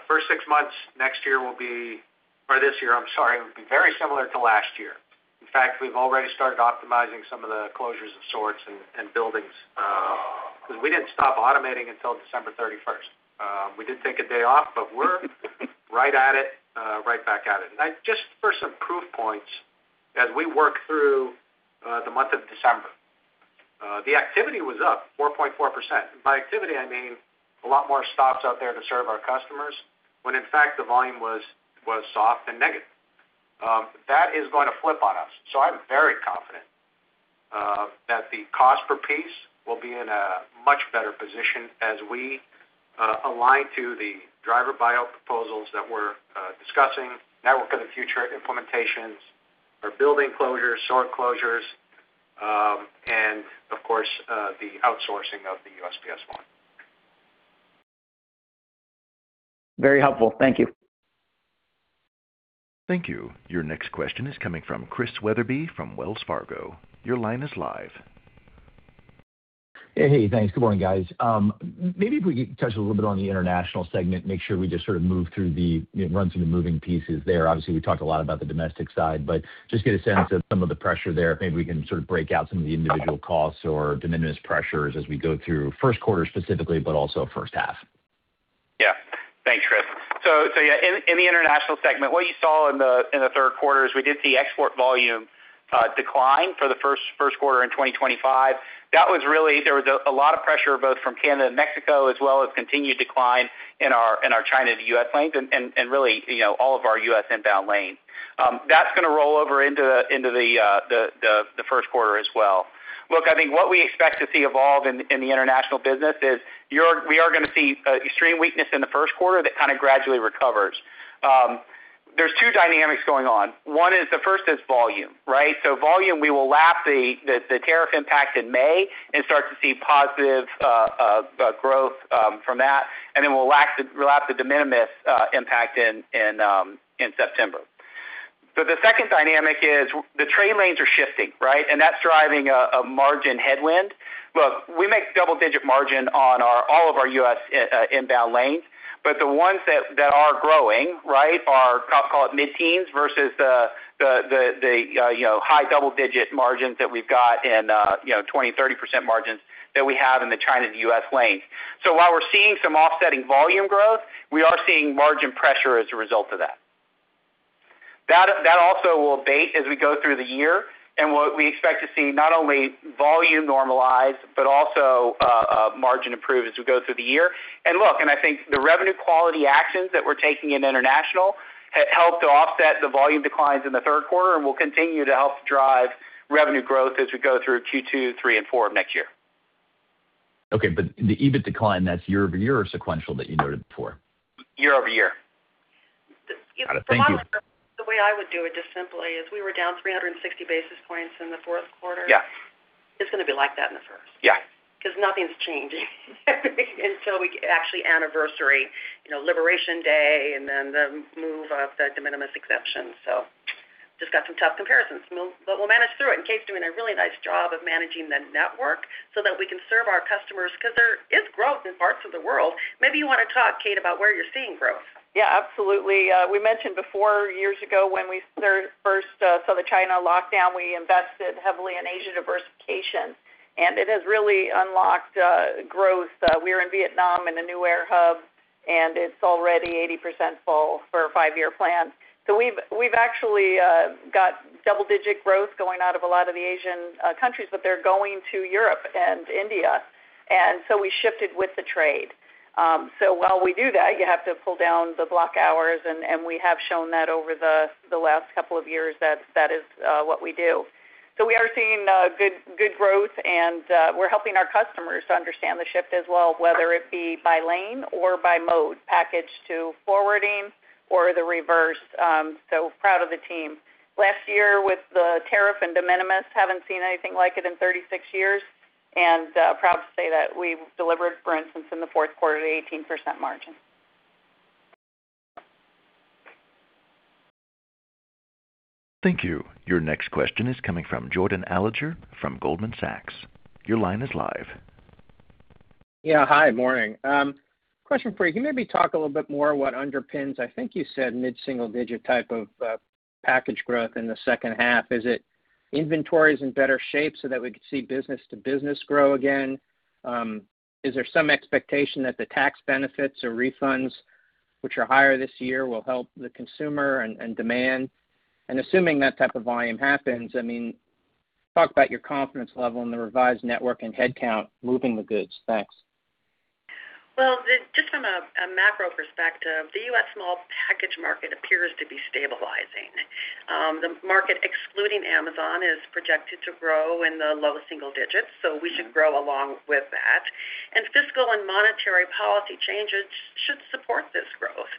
first six months next year will be, or this year, I'm sorry, will be very similar to last year. In fact, we've already started optimizing some of the closures of sorts and buildings, 'cause we didn't stop automating until December 31st. We did take a day off, but we're right at it, right back at it. And I just for some proof points, as we work through the month of December, the activity was up 4.4%. By activity, I mean, a lot more stops out there to serve our customers, when in fact, the volume was, was soft and negative. That is going to flip on us. So I'm very confident that the cost per piece will be in a much better position as we align to the driver buy-out proposals that we're discussing, Network of the Future implementations, our building closures, store closures, and of course, the outsourcing of the USPS work. Very helpful. Thank you. Thank you. Your next question is coming from Chris Wetherbee, from Wells Fargo. Your line is live. Hey, thanks. Good morning, guys. Maybe if we could touch a little bit on the international segment, make sure we just sort of move through the, you know, run through the moving pieces there. Obviously, we talked a lot about the domestic side, but just get a sense of some of the pressure there. Maybe we can sort of break out some of the individual costs or de minimis pressures as we go through first quarter specifically, but also first half. Yeah. Thanks, Chris. So yeah, in the international segment, what you saw in the third quarter is we did see export volume decline for the first quarter in 2025. That was really. There was a lot of pressure, both from Canada and Mexico, as well as continued decline in our China to U.S. lanes and really, you know, all of our U.S. inbound lane. That's gonna roll over into the first quarter as well. Look, I think what we expect to see evolve in the international business is we are gonna see extreme weakness in the first quarter that kind of gradually recovers. There's two dynamics going on. One is volume, right? So volume, we will lap the tariff impact in May and start to see positive growth from that, and then we'll lap the de minimis impact in September. So the second dynamic is the trade lanes are shifting, right? And that's driving a margin headwind. Look, we make double digit margin on all of our U.S. inbound lanes, but the ones that are growing, right, are call it mid-teens versus the high-double digit margins that we've got in, you know, 20%-30% margins that we have in the China to U.S. lanes. So while we're seeing some offsetting volume growth, we are seeing margin pressure as a result of that. That also will abate as we go through the year, and what we expect to see not only volume normalize, but also margin improve as we go through the year. And look, I think the revenue quality actions that we're taking in international have helped to offset the volume declines in the third quarter and will continue to help drive revenue growth as we go through Q2, Q3 and Q4 of next year. Okay, but the EBIT decline, that's year-over-year or sequential that you noted before? Year-over-year. Got it. Thank you. The way I would do it, just simply, is we were down 360 basis points in the fourth quarter. Yeah. It's gonna be like that in the first. Yeah. 'Cause nothing's changing until we actually anniversary, you know, Liberation Day and then the move of the de minimis exception, so. Just got some tough comparisons, but we'll manage through it, and Kate's doing a really nice job of managing the network so that we can serve our customers, 'cause there is growth in parts of the world. Maybe you wanna talk, Kate, about where you're seeing growth. Yeah, absolutely. We mentioned before, years ago, when we first saw the China lockdown, we invested heavily in Asia diversification, and it has really unlocked growth. We're in Vietnam, in a new air hub, and it's already 80% full for a five-year plan. So we've actually got double-digit growth going out of a lot of the Asian countries, but they're going to Europe and India, and so we shifted with the trade. So while we do that, you have to pull down the block hours, and we have shown that over the last couple of years that that is what we do. So we are seeing good growth, and we're helping our customers to understand the shift as well, whether it be by lane or by mode, package to forwarding or the reverse. So proud of the team. Last year, with the tariff and de minimis, haven't seen anything like it in 36 years, and proud to say that we've delivered, for instance, in the fourth quarter, 18% margin. Thank you. Your next question is coming from Jordan Alliger from Goldman Sachs. Your line is live. Yeah. Hi, morning. Question for you. Can you maybe talk a little bit more what underpins, I think you said mid-single digit type of package growth in the second half? Is it inventories in better shape so that we could see business to business grow again? Is there some expectation that the tax benefits or refunds which are higher this year will help the consumer and, and demand? And assuming that type of volume happens, I mean, talk about your confidence level in the revised network and headcount moving the goods. Thanks. Well, just from a macro perspective, the U.S. small package market appears to be stabilizing. The market, excluding Amazon, is projected to grow in the low single digits, so we should grow along with that. And fiscal and monetary policy changes should support this growth.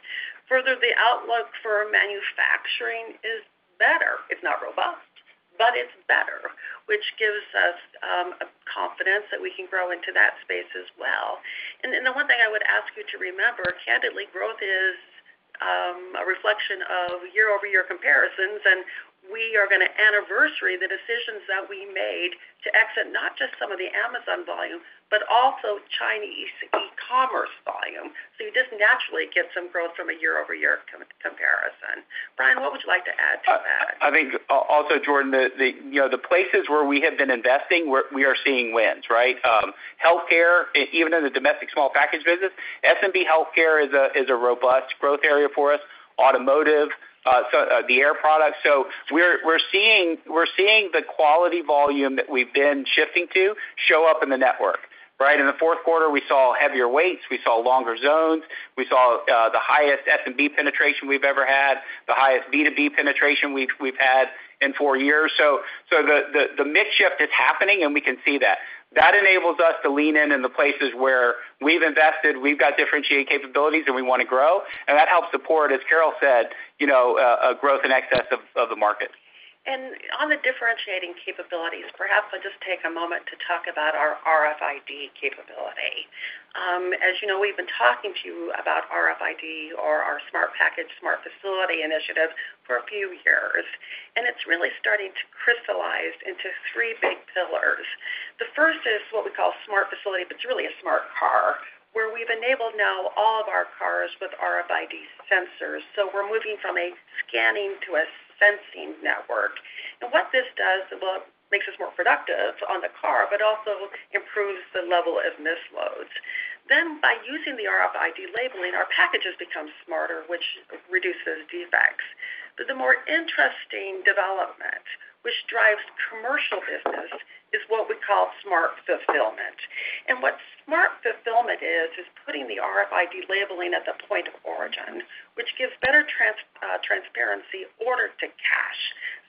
Further, the outlook for manufacturing is better. It's not robust, but it's better, which gives us a confidence that we can grow into that space as well. And then the one thing I would ask you to remember, candidly, growth is a reflection of year-over-year comparisons, and we are gonna anniversary the decisions that we made to exit, not just some of the Amazon volume, but also Chinese e-commerce volume. So you just naturally get some growth from a year-over-year comparison. Brian, what would you like to add to that? I think also, Jordan, you know, the places where we have been investing, we are seeing wins, right? Healthcare, even in the domestic small package business, SMB healthcare is a robust growth area for us, automotive, so the air products. So we're seeing the quality volume that we've been shifting to show up in the network, right? In the fourth quarter, we saw heavier weights, we saw longer zones, we saw the highest SMB penetration we've ever had, the highest B2B penetration we've had in four years. So the mix shift is happening, and we can see that. That enables us to lean in the places where we've invested, we've got differentiated capabilities, and we wanna grow, and that helps support, as Carol said, you know, a growth in excess of the market. On the differentiating capabilities, perhaps I'll just take a moment to talk about our RFID capability. As you know, we've been talking to you about RFID or our Smart Package, Smart Facility initiative for a few years, and it's really starting to crystallize into three big pillars. The first is what we call Smart Facility, but it's really a smart car, where we've enabled now all of our cars with RFID sensors. So we're moving from a scanning to a sensing network. And what this does, well, makes us more productive on the car, but also improves the level of misloads. Then, by using the RFID labeling, our packages become smarter, which reduces defects. But the more interesting development, which drives commercial business, is what we call Smart Fulfillment. What Smart Fulfillment is, is putting the RFID labeling at the point of origin, which gives better transparency, order to cash,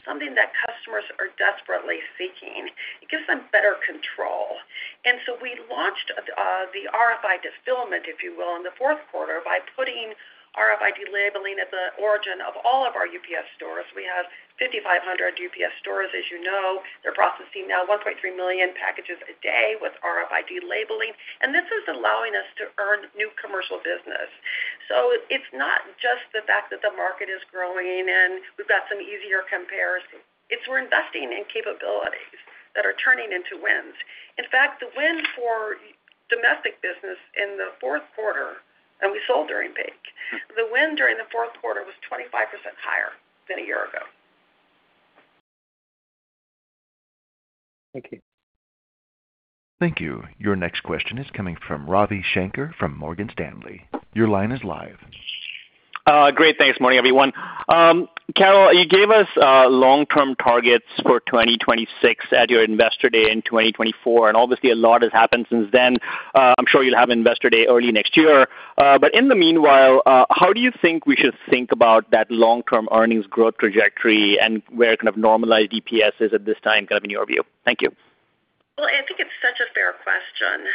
something that customers are desperately seeking. It gives them better control. And so we launched the RFID fulfillment, if you will, in the fourth quarter by putting RFID labeling at the origin of all of our UPS stores. We have 5,500 UPS stores, as you know. They're processing now 1.3 million packages a day with RFID labeling, and this is allowing us to earn new commercial business. So it's not just the fact that the market is growing and we've got some easier comparison. It's we're investing in capabilities that are turning into wins. In fact, the win for domestic business in the fourth quarter, and we sold during peak, the win during the fourth quarter was 25% higher than a year ago. Thank you. Thank you. Your next question is coming from Ravi Shanker, from Morgan Stanley. Your line is live. Great, thanks, morning, everyone. Carol, you gave us long-term targets for 2026 at your Investor Day in 2024, and obviously, a lot has happened since then. I'm sure you'll have Investor Day early next year. But in the meanwhile, how do you think we should think about that long-term earnings growth trajectory and where kind of normalized EPS is at this time, kind of in your view? Thank you. Well, I think it's such a fair question,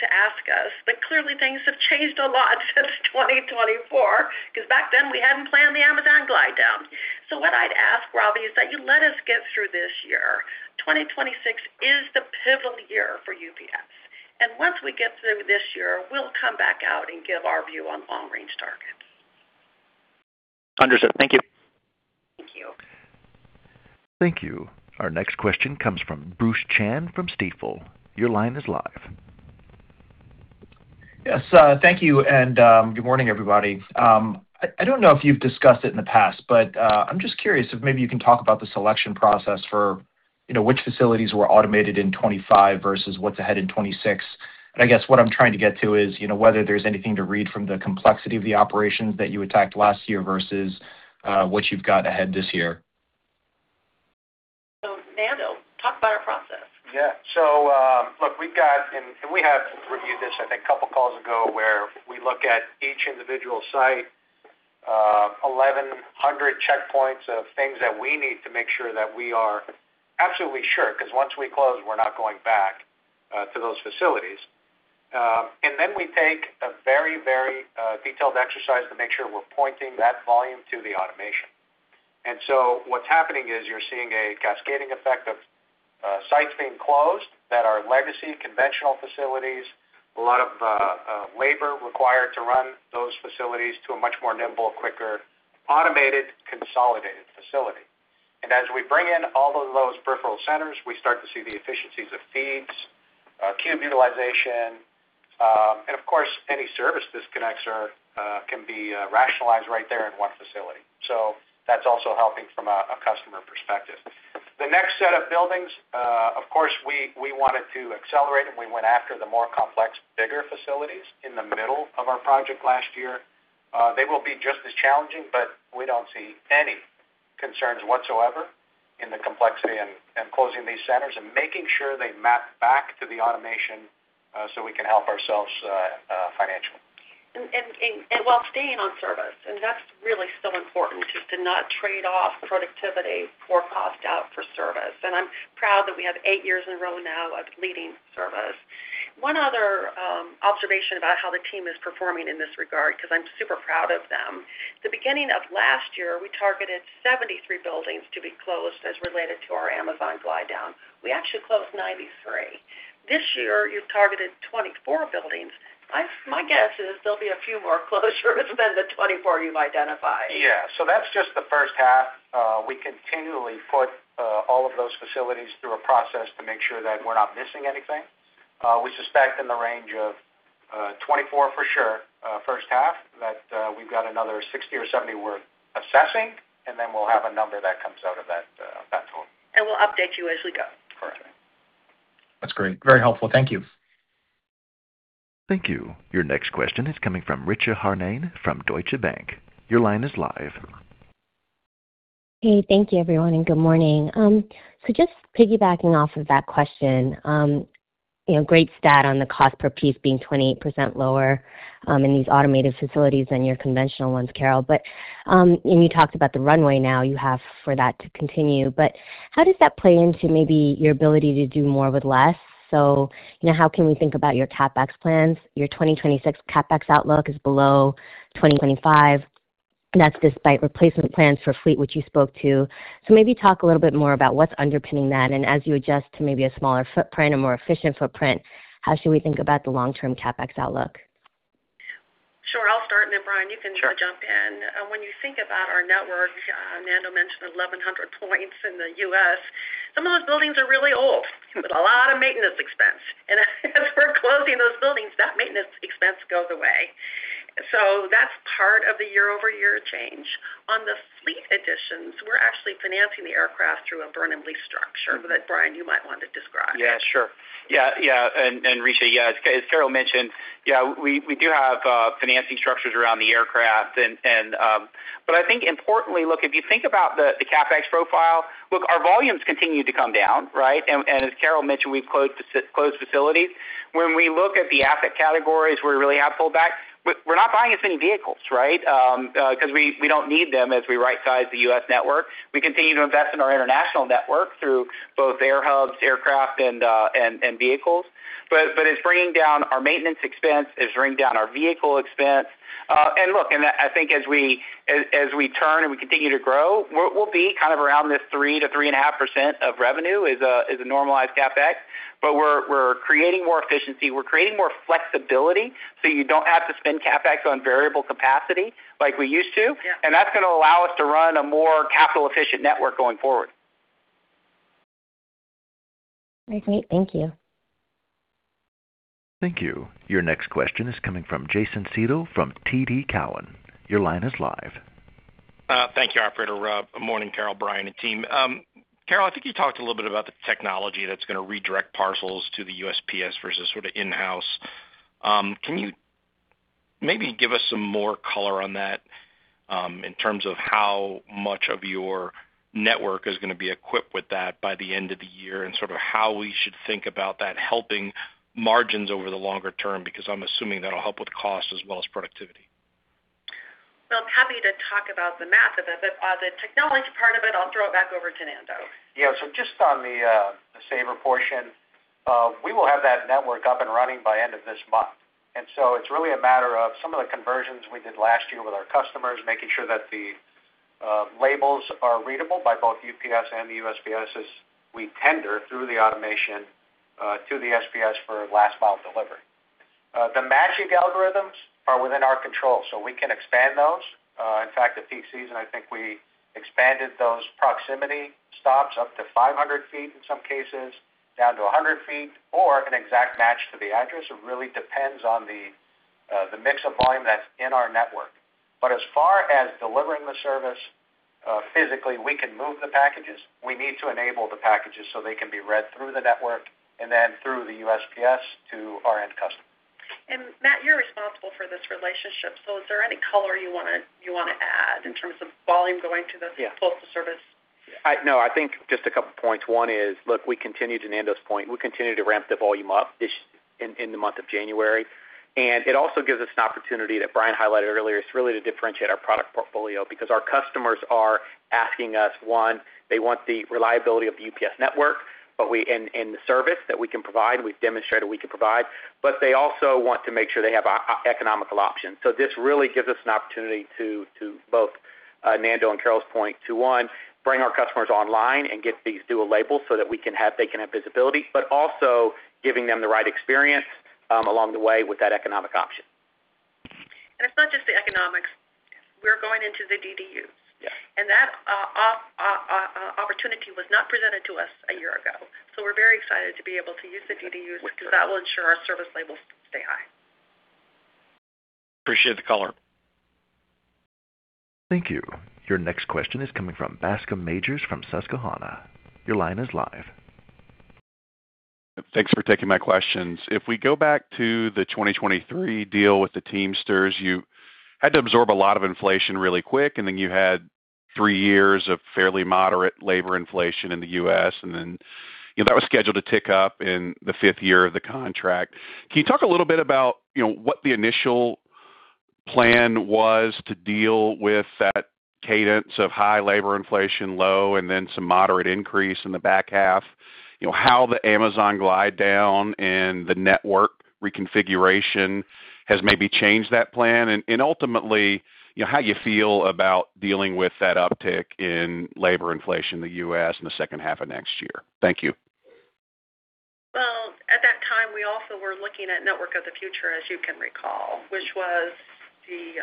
to ask us, but clearly, things have changed a lot since 2024, 'cause back then, we hadn't planned the Amazon glide-down. So what I'd ask, Ravi, is that you let us get through this year. 2026 is the pivotal year for UPS, and once we get through this year, we'll come back out and give our view on that. Understood. Thank you. Thank you. Thank you. Our next question comes from Bruce Chan from Stifel. Your line is live. Yes, thank you, and good morning, everybody. I don't know if you've discussed it in the past, but I'm just curious if maybe you can talk about the selection process for, you know, which facilities were automated in 2025 versus what's ahead in 2026. And I guess what I'm trying to get to is, you know, whether there's anything to read from the complexity of the operations that you attacked last year versus what you've got ahead this year. So Nando, talk about our process. Yeah. So, look, we've got, and, and we have reviewed this, I think, a couple of calls ago, where we look at each individual site, 1,100 checkpoints of things that we need to make sure that we are absolutely sure, 'cause once we close, we're not going back, to those facilities. And then we take a very, very, detailed exercise to make sure we're pointing that volume to the automation. And so what's happening is you're seeing a cascading effect of, sites being closed that are legacy, conventional facilities, a lot of, labor required to run those facilities to a much more nimble, quicker, automated, consolidated facility. As we bring in all of those peripheral centers, we start to see the efficiencies of feeds, cube utilization, and of course, any service disconnects can be rationalized right there in one facility. So that's also helping from a customer perspective. The next set of buildings, of course, we wanted to accelerate, and we went after the more complex, bigger facilities in the middle of our project last year. They will be just as challenging, but we don't see any concerns whatsoever in the complexity and closing these centers and making sure they map back to the automation, so we can help ourselves financially. While staying on service, that's really so important, just to not trade off productivity for cost out for service. I'm proud that we have eight years in a row now of leading service. One other observation about how the team is performing in this regard, 'cause I'm super proud of them. The beginning of last year, we targeted 73 buildings to be closed as related to our Amazon glide-down. We actually closed 93. This year, you've targeted 24 buildings. My guess is there'll be a few more closures than the 24 you've identified. Yeah. So that's just the first half. We continually put all of those facilities through a process to make sure that we're not missing anything. We suspect in the range of 24 for sure, first half, that we've got another 60 or 70 we're assessing, and then we'll have a number that comes out of that, of that total. We'll update you as we go. Correct. That's great. Very helpful. Thank you. Thank you. Your next question is coming from Richa Harnain from Deutsche Bank. Your line is live. Hey, thank you, everyone, and good morning. So just piggybacking off of that question, you know, great stat on the cost per piece being 28% lower in these automated facilities than your conventional ones, Carol. But, and you talked about the runway now you have for that to continue, but how does that play into maybe your ability to do more with less? So, you know, how can we think about your CapEx plans? Your 2026 CapEx outlook is below 2025. That's despite replacement plans for fleet, which you spoke to. So maybe talk a little bit more about what's underpinning that, and as you adjust to maybe a smaller footprint, a more efficient footprint, how should we think about the long-term CapEx outlook? Sure, I'll start, and then Brian, you can jump in. Sure. When you think about our network, Nando mentioned 1,100 points in the U.S. Some of those buildings are really old, with a lot of maintenance expense. And as we're closing those buildings, that maintenance expense goes away. So that's part of the year-over-year change. On the fleet additions, we're actually financing the aircraft through a build and lease structure that, Brian, you might want to describe. Yeah, sure. Yeah, yeah. And Richa, yeah, as Carol mentioned, yeah, we do have financing structures around the aircraft. And, but I think importantly, look, if you think about the CapEx profile, look, our volumes continue to come down, right? And as Carol mentioned, we've closed facilities. When we look at the asset categories where we really have pulled back, we're not buying as many vehicles, right? 'Cause we don't need them as we rightsize the U.S. network. We continue to invest in our international network through both air hubs, aircraft, and vehicles. But it's bringing down our maintenance expense. It's bringing down our vehicle expense. And look, and I think as we turn and we continue to grow, we'll be kind of around this 3%-3.5% of revenue is a normalized CapEx. But we're creating more efficiency, we're creating more flexibility, so you don't have to spend CapEx on variable capacity like we used to. Yeah. That's gonna allow us to run a more capital-efficient network going forward. Nice to hear. Thank you. Thank you. Your next question is coming from Jason Seidl from TD Cowen. Your line is live. Thank you, operator. Good morning, Carol, Brian, and team. Carol, I think you talked a little bit about the technology that's gonna redirect parcels to the USPS versus sort of in-house. Can you maybe give us some more color on that, in terms of how much of your network is gonna be equipped with that by the end of the year, and sort of how we should think about that helping margins over the longer term, because I'm assuming that'll help with cost as well as productivity? Well, I'm happy to talk about the math of it, but on the technology part of it, I'll throw it back over to Nando. Yeah, so just on the Saver portion, we will have that network up and running by end of this month. And so it's really a matter of some of the conversions we did last year with our customers, making sure that the labels are readable by both UPS and the USPS as we tender through the automation to the USPS for last mile delivery. The matching algorithms are within our control, so we can expand those. In fact, the peak season, I think we expanded those proximity stops up to 500 ft, in some cases, down to 100 ft, or an exact match to the address. It really depends on the mix of volume that's in our network. But as far as delivering the service, physically, we can move the packages. We need to enable the packages so they can be read through the network and then through the USPS to our end customer. And Matt, you're responsible for this relationship, so is there any color you wanna add in terms of volume going to the- Yeah. Postal Service? No, I think just a couple points. One is, look, we continue to Nando's point, we continue to ramp the volume up this, in the month of January. And it also gives us an opportunity that Brian highlighted earlier, is really to differentiate our product portfolio because our customers are asking us, one, they want the reliability of the UPS network, but we, and the service that we can provide, we've demonstrated we can provide, but they also want to make sure they have a economical option. So this really gives us an opportunity to both, Nando and Carol's point, to, one, bring our customers online and get these dual labels so that we can have, they can have visibility, but also giving them the right experience along the way with that economic option. It's not just the economics. We're going into the DDUs. Yes. That opportunity was not presented to us a year ago. So we're very excited to be able to use the DDUs, because that will ensure our service labels stay high. Appreciate the color. Thank you. Your next question is coming from Bascome Majors from Susquehanna. Your line is live. Thanks for taking my questions. If we go back to the 2023 deal with the Teamsters, you had to absorb a lot of inflation really quick, and then you had three years of fairly moderate labor inflation in the U.S., and then, you know, that was scheduled to tick up in the fifth year of the contract. Can you talk a little bit about, you know, what the initial plan was to deal with that cadence of high labor inflation, low, and then some moderate increase in the back half? You know, how the Amazon glide-down and the network reconfiguration has maybe changed that plan. And, and ultimately, you know, how you feel about dealing with that uptick in labor inflation in the U.S. in the second half of next year. Thank you. Well, at that time, we also were looking at Network of the Future, as you can recall, which was the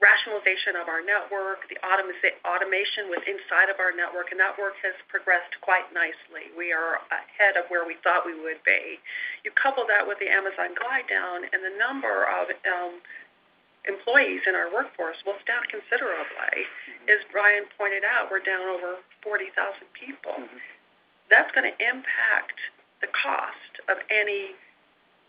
rationalization of our network, the automation within our network, and that work has progressed quite nicely. We are ahead of where we thought we would be. You couple that with the Amazon glide-down, and the number of employees in our workforce will decrease considerably. As Brian pointed out, we're down over 40,000 people. That's gonna impact the cost of any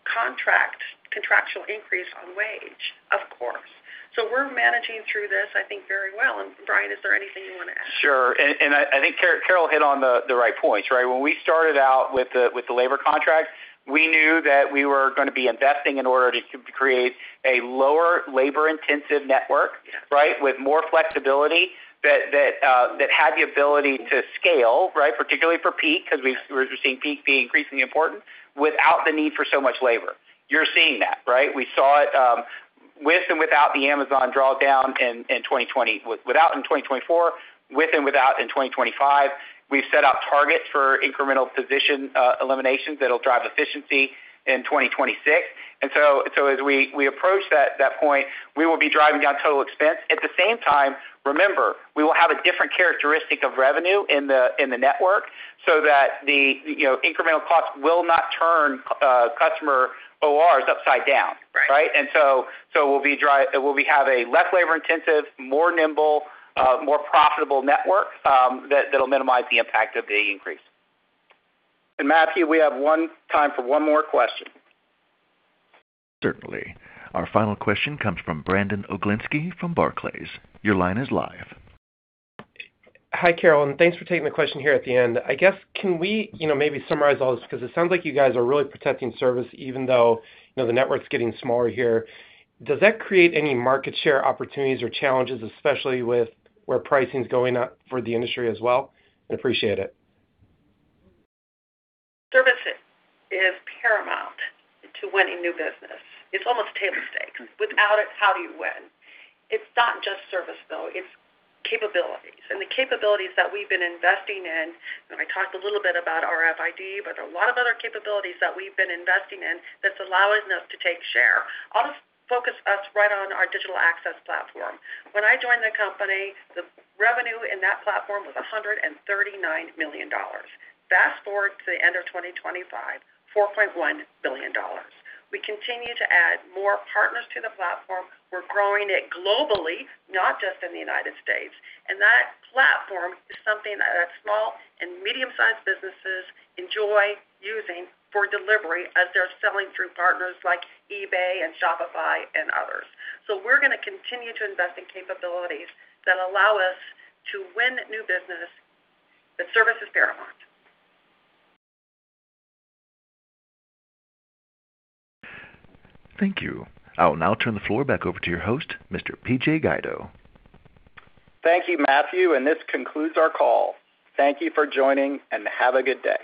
contractual increase on wage, of course. So we're managing through this, I think, very well. And Brian, is there anything you want to add? Sure. And I think Carol hit on the right points, right? When we started out with the labor contract, we knew that we were gonna be investing in order to create a lower labor-intensive network, right? With more flexibility, that had the ability to scale, right? Particularly for peak, because we're seeing peak be increasingly important, without the need for so much labor. You're seeing that, right? We saw it with and without the Amazon drawdown in 2020, without in 2024, with and without in 2025. We've set out targets for incremental position eliminations that'll drive efficiency in 2026. And so as we approach that point, we will be driving down total expense. At the same time, remember, we will have a different characteristic of revenue in the network so that the, you know, incremental costs will not turn customer ORs upside down. Right. Right? And so, we'll have a less labor-intensive, more nimble, more profitable network that that'll minimize the impact of the increase. Matthew, we have one time for one more question. Certainly. Our final question comes from Brandon Oglenski from Barclays. Your line is live. Hi, Carol, and thanks for taking the question here at the end. I guess, can we, you know, maybe summarize all this? Because it sounds like you guys are really protecting service, even though, you know, the network's getting smaller here. Does that create any market share opportunities or challenges, especially with where pricing is going up for the industry as well? I appreciate it. Service is paramount to winning new business. It's almost table stakes. Without it, how do you win? It's not just service, though, it's capabilities. And the capabilities that we've been investing in, and I talked a little bit about RFID, but there are a lot of other capabilities that we've been investing in that's allowing us to take share. I'll just focus us right on our Digital Access Platform. When I joined the company, the revenue in that platform was $139 million. Fast forward to the end of 2025, $4.1 billion. We continue to add more partners to the platform. We're growing it globally, not just in the United States. And that platform is something that our small and medium-sized businesses enjoy using for delivery as they're selling through partners like eBay and Shopify and others. We're gonna continue to invest in capabilities that allow us to win new business. The service is paramount. Thank you. I will now turn the floor back over to your host, Mr. P.J. Guido. Thank you, Matthew, and this concludes our call. Thank you for joining, and have a good day.